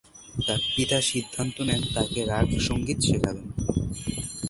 তাঁর পিতা সিদ্ধান্ত নেন তাঁকে রাগ সঙ্গীত শিখাবেন।